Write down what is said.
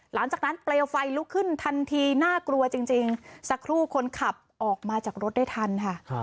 หลังจากนั้นเปลวไฟลุกขึ้นทันทีน่ากลัวจริงสักครู่คนขับออกมาจากรถได้ทันค่ะ